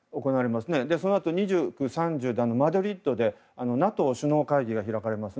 そのあと２９、３０でマドリードでＮＡＴＯ首脳会議が開かれます。